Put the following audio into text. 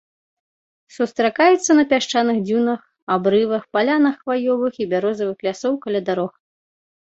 Сустракаецца на пясчаных дзюнах, абрывах, палянах хваёвых і бярозавых лясоў, каля дарог.